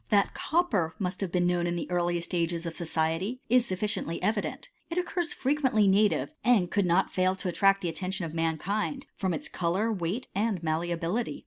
3. That copper must have been known in the earliest ages of society, is sufficiently evident. It occurs fre t quently native, and could not fail to attract the atten«> tion of mankind, from its colour, weight, and mall^ , bility.